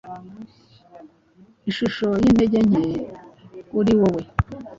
Ishusho yintege nke, uriwowe